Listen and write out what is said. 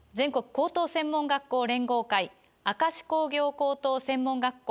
高等専門学校連合会明石工業高等専門学校